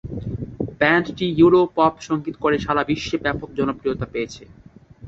ব্যান্ডটি euro pop সঙ্গীত করে সারা বিশ্বে ব্যাপক জনপ্রিয়তা পেয়েছে।